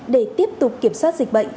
để tiếp tục kiểm soát dịch bệnh